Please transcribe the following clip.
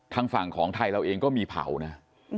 ทางฝั่งของไทยเราเองก็มีเผานะ